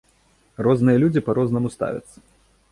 Розныя людзі па-рознаму ставяцца.